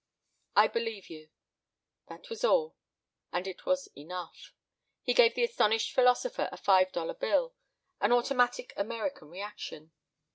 "I believe you." That was all, and it was enough. He gave the astonished philosopher a five dollar bill: an automatic American reaction.